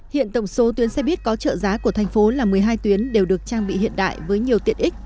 hiện tổng số tuyến xe buýt có trợ giá của thành phố là một mươi hai tuyến đều được trang bị hiện đại với nhiều tiện ích